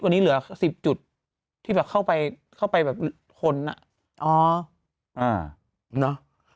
วันนี้เหลือสิบจุดที่แบบเข้าไปเข้าไปแบบคนอ่ะอ๋ออ่าเนอะ